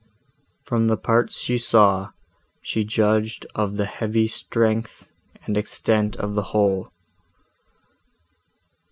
From the parts she saw, she judged of the heavy strength and extent of the whole.